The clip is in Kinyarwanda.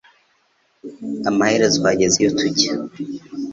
Amaherezo, twageze iyo tujya.